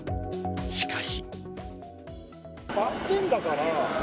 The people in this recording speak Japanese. しかし。